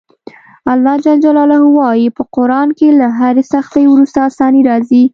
الله ج وایي په قران کې له هرې سختي وروسته اساني راځي.